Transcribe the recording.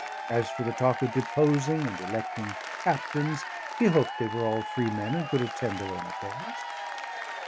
As for the talk of deposing and electing captains, he hoped they were all free men and could attend their own affairs.